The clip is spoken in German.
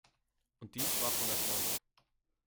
Und dies war von Erfolg.